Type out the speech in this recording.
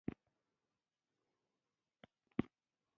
الله نواز د دربار د وزیر په حیث ټاکل شوی وو.